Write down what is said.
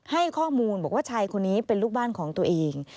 ให้ข้อมูลบอกว่าชายคนนี้เป็นลูกบ้านของตัวเอง